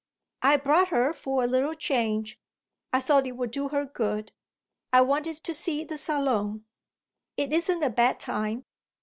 I brought her for a little change. I thought it would do her good. I wanted to see the Salon." "It isn't a bad time.